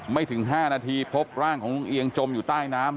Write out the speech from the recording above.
ไม่ถึง๕นาทีพบร่างของลุงเอียงจมอยู่ใต้น้ำ